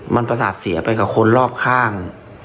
มันประสาทเสียไปกับคนรอบข้าง